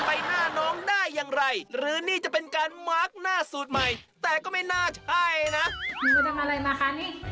เป็นในการกินข้าวใช่ไหมค่ะ